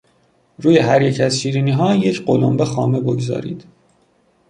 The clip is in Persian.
روی هریک از شیرینیها یک قلنبه خامه بگذارید.